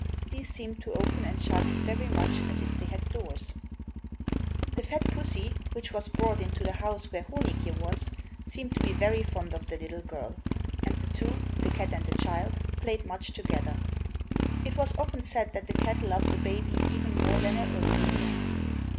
These seemed to open and shut, very much as if they had doors. The fat pussy, which was brought into the house where Honig je' was, seemed to be very fond of the little girl, and the two, the cat and the child, played much together. It was often said that the cat loved the baby even more than her own kittens.